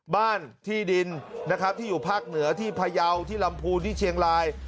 บ้านที่ดินนะครับที่อยู่ภาคเหนือที่พยาวที่ลำพูนที่เชียงราย